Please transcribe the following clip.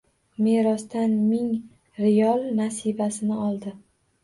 Merosdan ming riyol nasibasini oldi.